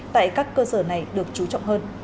tại các cơ sở này được chú trọng hơn